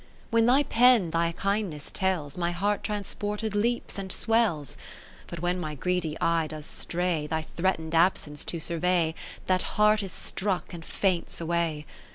When thy pen thy kindness tells. My heart transported leaps and swells. But when my greedy eye does stray. Thy threaten'd absence to survey, That heart is struck, and faints away.